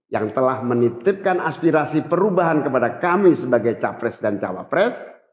yang telah menitipkan aspirasi perubahan kepada kami sebagai capres dan cawapres